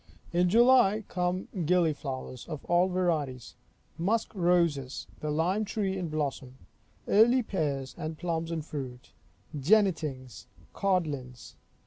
In July come gilliflowers of all varieties; musk roses; the lime tree in blossom; early pears and plums in fruit; jennetings, codlins.